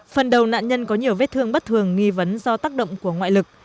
phần đầu nạn nhân có nhiều vết thương bất thường nghi vấn do tác động của ngoại lực